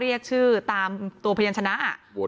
และการแสดงสมบัติของแคนดิเดตนายกนะครับ